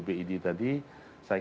saya syuk mengganggu hal lama sekalian